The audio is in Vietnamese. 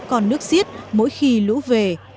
còn nước xiết mỗi khi lũ về